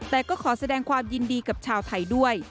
แต่ก็ขอแสดงความยินดีกับชาวไทยด้วย